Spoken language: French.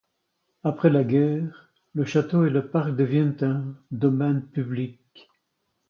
Après la guerre, le château et le parc deviennent un domaine public.